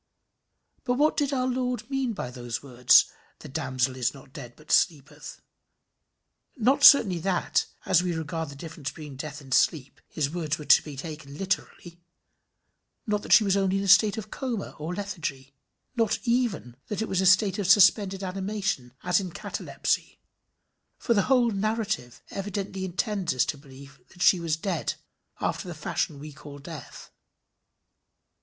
But what did our Lord mean by those words "The damsel is not dead, but sleepeth"? Not certainly that, as we regard the difference between death and sleep, his words were to be taken literally; not that she was only in a state of coma or lethargy; not even that it was a case of suspended animation as in catalepsy; for the whole narrative evidently intends us to believe that she was dead after the fashion we call death.